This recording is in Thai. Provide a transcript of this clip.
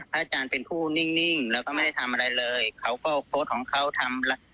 อาจารย์เป็นผู้นิ่งแล้วก็ไม่ได้ทำอะไรเลยเขาก็โพสต์ของเขาทำ